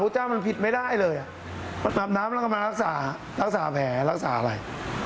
จีที่มันนานาไม่ได้